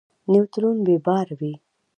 نیوترون بې بار وي.